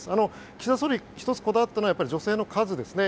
岸田総理、１つこだわったのは女性の数ですね。